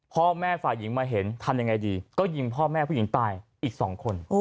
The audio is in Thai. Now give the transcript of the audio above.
พ่อแม่ฝ่ายหญิงมาเห็นทำยังไงดีก็ยิงพ่อแม่ผู้หญิงตายอีก๒คน